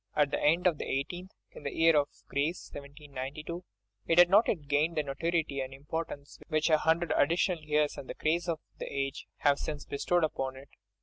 At the end of the eighteenth, in the year of grace 1792, it had not yet gained that notoriety and importance which a hundred additional years and the craze of the age have since bestowed upon it.